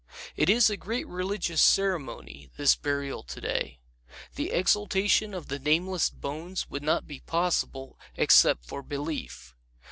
It is a great religious ceremony, this burial today. The exaltation of the nameless bones would not be possible except for Belief.